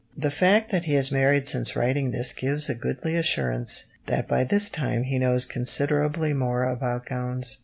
The fact that he has married since writing this gives a goodly assurance that by this time he knows considerably more about gowns.